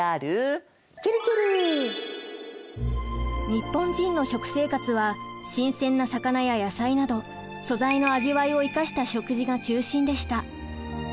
日本人の食生活は新鮮な魚や野菜など素材の味わいを生かした食事が中心でした。